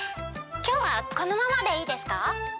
今日はこのままでいいですか？